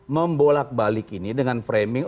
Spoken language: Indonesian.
membolak balik ini dengan framing